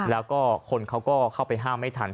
แล้วก็คนเขาก็เข้าไปห้ามไม่ทัน